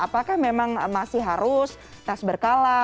apakah memang masih harus tes berkala